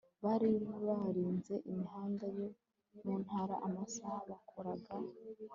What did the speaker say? bari barinze imihanda yo mu ntara, amasaha bakoraga